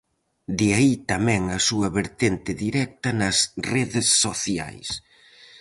De aí tamén a súa vertente directa nas redes sociais.